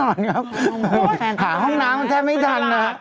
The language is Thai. โอ้โฮแฟนที่นี่แหละนะครับเป็นเวลาหาห้องน้ำแทบไม่ทันนะ